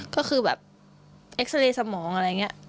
ก็คือแบบเอ็กซาเรย์สมองอะไรอย่างนี้